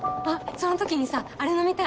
その時にさあれ飲みたい！